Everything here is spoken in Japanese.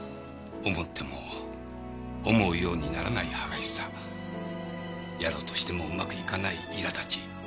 思っても思うようにならない歯がゆさやろうとしてもうまくいかないいらだち。